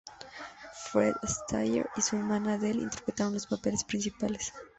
Fred Astaire y su hermana Adele interpretaron los papeles principales.